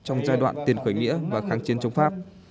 trong giai đoạn tiền khởi nghĩa và kháng chiến chống pháp